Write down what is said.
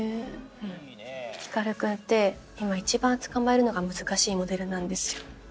うん光君って今一番つかまえるのが難しいモデルなんですよ。